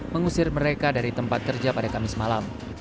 mengusir mereka dari tempat kerja pada kamis malam